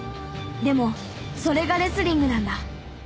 でもそれがレスリングなんだ。